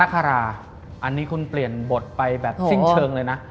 อันนี้คุณเปลี่ยนบทไปแบบสิ้นเชิงเลยนะ